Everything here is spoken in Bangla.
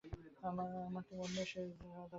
আমি তো মন নই, সে যথা রুচি চলুক।